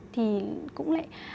thì cũng lại